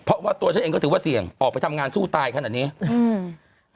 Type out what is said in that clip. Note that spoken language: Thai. เพราะว่าตัวฉันเองก็ถือว่าเสี่ยงออกไปทำงานสู้ตายขนาดนี้อืม